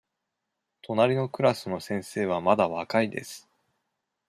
隣のクラスの先生はまだ若いです。